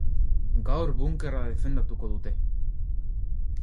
Gaur bunkerra defendatuko dute.